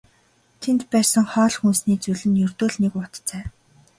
Тэнд байсан хоол хүнсний зүйл нь ердөө л нэг уут цай.